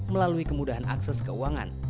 melalui kemudahan akses keuangan